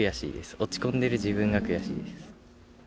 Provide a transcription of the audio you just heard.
落ち込んでる自分が悔しいです。